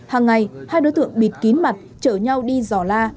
hàng ngày hai đối tượng bịt kín mặt chở nhau đi giò la